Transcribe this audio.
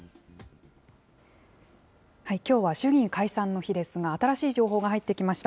きょうは衆議院解散の日ですが、新しい情報が入ってきました。